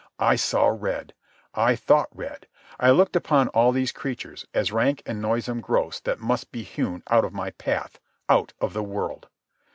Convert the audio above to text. I saw red. I thought red. I looked upon all these creatures as rank and noisome growths that must be hewn out of my path, out of the world.